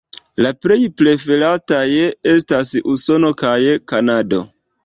La plej preferataj estas Usono kaj Kanado.